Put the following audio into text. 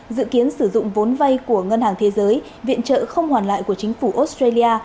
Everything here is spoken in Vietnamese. dự kiến sử dụng vốn vay của ngân hàng thế giới viện trợ không hoàn lại của chính phủ australia